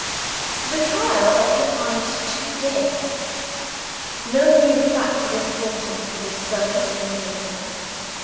The trial occupied two days. No new facts of importance were discovered in the interval.